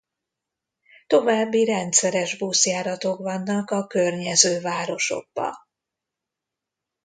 További rendszeres buszjáratok vannak a környező városokba.